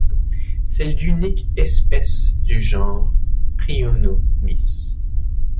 C'est l'unique espèce du genre Prionomys.